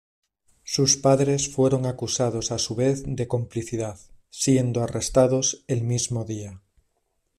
Sus padres fueron acusados a su vez de complicidad, siendo arrestados el mismo día.